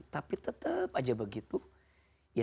tapi tetep aja berbicara gitu ya